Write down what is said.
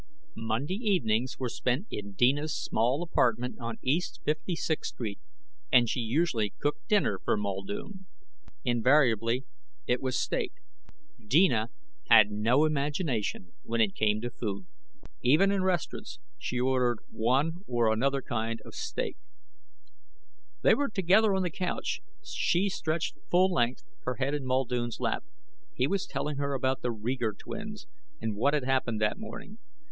Monday evenings were spent in Deena's small apartment on East Fifty Sixth Street, and she usually cooked dinner for Muldoon. Invariably it was steak. Deena had no imagination when it came to food. Even in restaurants she ordered one or another kind of steak. They were together on the couch, she stretched full length, her head in Muldoon's lap. He was telling her about the Reeger twins and what had happened that morning.